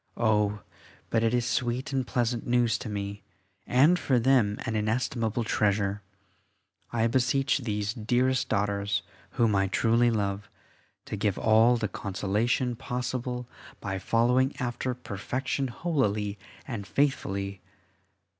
Oh! but it is sweet and pleasant news to me, and for them an inestimable treasure. I beseech these dearest daughters, whom I truly love, to give all the consolation possible by following after perfection holily and faithfully.